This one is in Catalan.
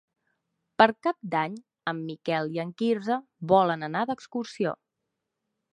Per Cap d'Any en Miquel i en Quirze volen anar d'excursió.